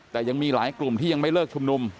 แต่ยังมีหลายกลุ่มที่ยังไม่เลิกชุมนุม